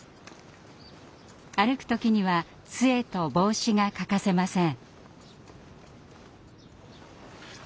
歩く時にはつえと帽子が欠かせません。